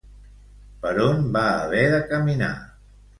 Per on va haver de caminar?